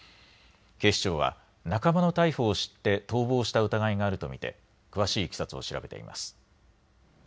警視庁は仲間の逮捕を知って逃亡した疑いがあると見て詳しいいきさつを調べています。